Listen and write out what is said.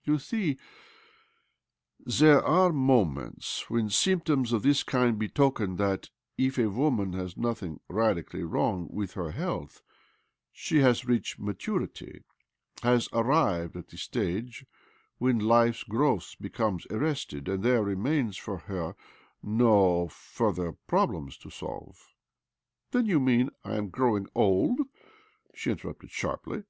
" You see, there are moments when symptoms of this kind be token that, if a woman has nothing radically wrong with her health, she has reached maturity— has arrived at the stage when life's growth becomes arrested, and there remains for her no further problem to solve." " Then you mean that I am growing old ?" she interrupted sharply.